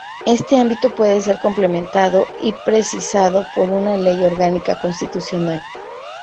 Este ámbito puede ser complementado y precisado por una ley orgánica constitucional.